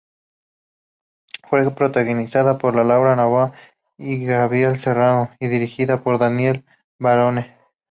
Fue protagonizada por Laura Novoa y Gabriel Corrado; y dirigida por Daniel Barone.